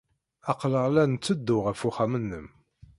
Aql-aɣ la netteddu ɣer uxxam-nnem.